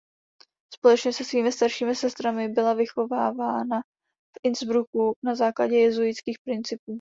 Společně se svými staršími sestrami byla vychovávána v Innsbrucku na základě jezuitských principů.